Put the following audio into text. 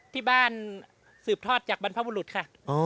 ที่บ้านสืบทอดอย่างบรรพเวรุ่นค่ะ